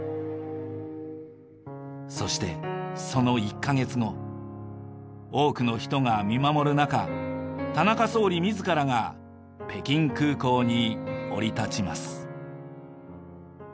そしてその１カ月後多くの人が見守るなか田中総理自らが北京空港に降り立ちます。